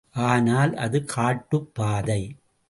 ஆனால், அது காட்டுப்பாதை.